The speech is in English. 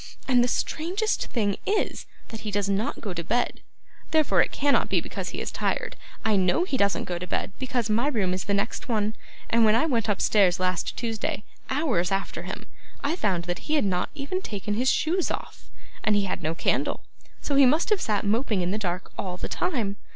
And the strangest thing is, that he does not go to bed; therefore it cannot be because he is tired. I know he doesn't go to bed, because my room is the next one, and when I went upstairs last Tuesday, hours after him, I found that he had not even taken his shoes off; and he had no candle, so he must have sat moping in the dark all the time.